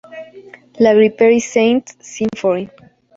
La Gripperie-Saint-Symphorien